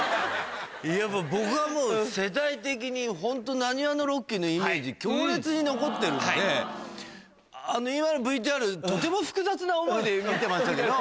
いやもう僕はもう世代的にホント浪速のロッキーのイメージ強烈に残ってるんであの今のＶＴＲとても複雑な思いで見てましたけど。